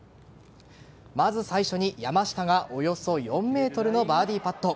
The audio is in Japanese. まず最初に山下がおよそ４ｍのバーディーパット。